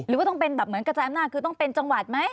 หรือว่าต้องเป็นแบบเหมือนกระจายอำนาจคือต้องเป็นจังหวัดไหม